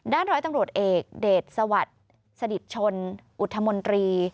ด้านร้อยตังค์โหลดเอกเดชสวัสดิ์สดิตชนอุทธมนตรี